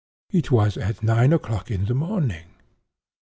It was at nine o'clock in the morning.